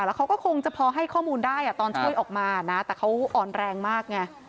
แล้วเขาก็คงจะพอให้ข้อมูลได้ตอนช่วยออกมานะแต่เขาอ่อนแรงมากไง